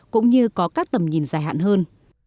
cũng như có các tầm nhìn dài hạn hơn